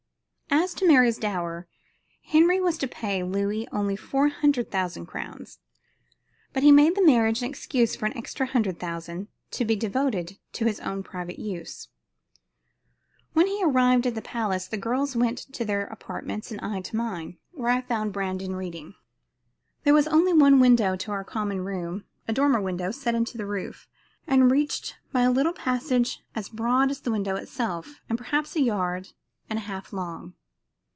As to Mary's dower, Henry was to pay Louis only four hundred thousand crowns, but he made the marriage an excuse for an extra hundred thousand, to be devoted to his own private use. When we arrived at the palace, the girls went to their apartments and I to mine, where I found Brandon reading. There was only one window to our common room a dormer window, set into the roof, and reached by a little passage as broad as the window itself, and perhaps a yard and a half long.